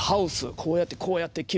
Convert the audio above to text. こうやってこうやって斬る。